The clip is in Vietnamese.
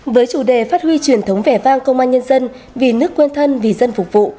với chủ đề phát huy truyền thống vẻ vang công an nhân dân vì nước quên thân vì dân phục vụ